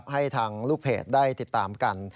ให้ทางลูกเพจได้ติดตามกัน